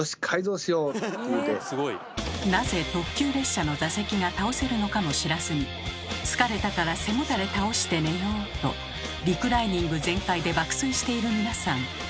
なぜ特急列車の座席が倒せるのかも知らずに「疲れたから背もたれ倒して寝よう」とリクライニング全開で爆睡している皆さん。